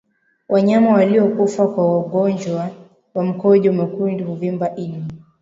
Wanyama waliokufa kwa ugonjwa wa mkojo mwekundu huvimba ini